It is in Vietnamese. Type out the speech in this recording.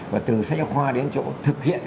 và từ sách học khoa đến chỗ thực hiện